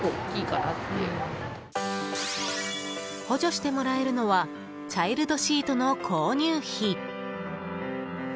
補助してもらえるのはチャイルドシートの購入費。